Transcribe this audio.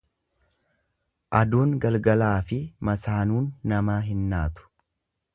Aduun galgalaafi masaanuun namaa hin naatu.